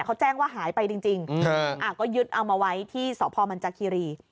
เขาแจ้งว่าหายไปจริงก็ยึดเอามาไว้ที่สพมันจากคีรี